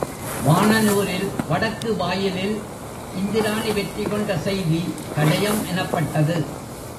வாணன் ஊரில் வடக்கு வாயிலில் இந்திராணி வெற்றி கொண்ட செய்தி கடையம் எனப்பட்டது.